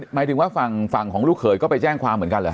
หมายถึงว่าฝั่งของลูกเขยก็ไปแจ้งความเหมือนกันเหรอฮ